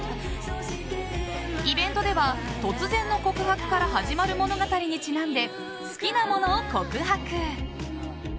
イベントでは突然の告白から始まる物語にちなんで好きなものを告白。